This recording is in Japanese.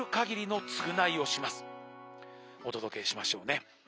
お届けしましょうね。